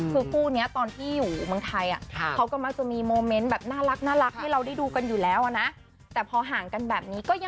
คือคู่เนี่ยตอนที่อยู่เมืองไทยอะ